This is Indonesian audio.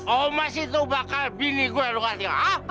omas itu bakal bini gue lu ngerti